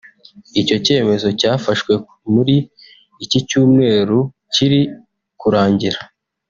Icyo cyemezo cyafashwe muri iki cyumweru kiri kurangira